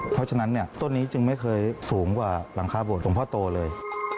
เพราะฉะนั้นเนี่ยต้นนี้จึงไม่เคยสูงกว่าหลังคาบวชหลวงพ่อโตเลย